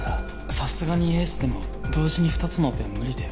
さすがにエースでも同時に二つのオペは無理だよ